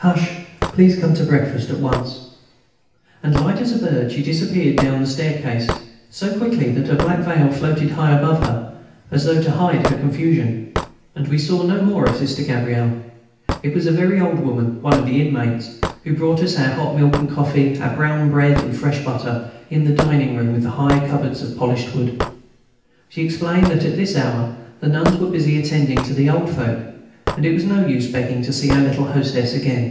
"Hush! Please come to breakfast at once." And, light as a bird, she disappeared down the staircase, so quickly that her black veil floated high above her, as though to hide her confusion. And we saw no more of Sister Gabrielle. It was a very old woman one of the inmates who brought us our hot milk and coffee, our brown bread and fresh butter, in the dining room with the high cupboards of polished wood. She explained that at this hour the nuns were busy attending to their old folk. It was of no use begging to see our little hostess again.